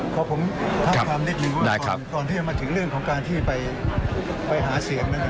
ขอผมทักความนิดนึงว่าก่อนที่จะมาถึงเรื่องของการที่ไปหาเสียงนั้น